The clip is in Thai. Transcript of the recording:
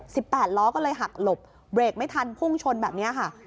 แปดล้อก็เลยหักหลบเบรกไม่ทันพุ่งชนแบบเนี้ยค่ะ